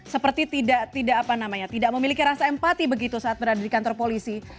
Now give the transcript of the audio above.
seperti tidak memiliki rasa empati begitu saat berada di kantor polisi